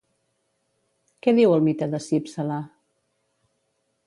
Què diu el mite de Cípsela?